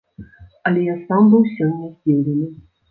Але я сам быў сёння здзіўлены.